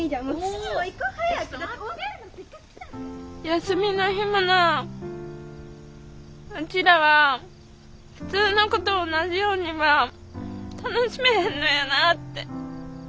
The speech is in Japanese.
休みの日もなあうちらは普通の子と同じようには楽しめへんのやなって。